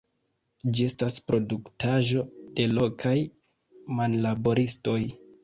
Ĝi estas produktaĵo de lokaj manlaboristoj.